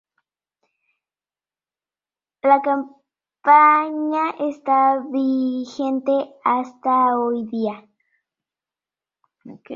La campaña está vigente hasta hoy día.